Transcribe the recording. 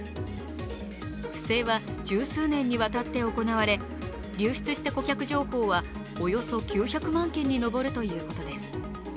不正は十数年にわたって行われ流出した顧客情報はおよそ９００万件に上るということです。